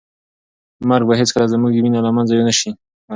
مرګ به هیڅکله زموږ مینه له منځه یو نه شي وړی.